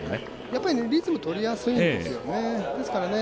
やっぱりリズムが取りやすいんですよね。